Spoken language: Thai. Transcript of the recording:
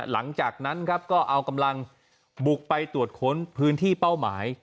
หลังจากนั้นครับก็เอากำลังบุกไปตรวจค้นพื้นที่เป้าหมาย